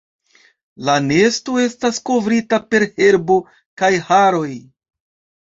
La nesto estas kovrita per herbo kaj haroj.